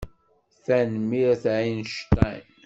Tanemmirt a Einstein.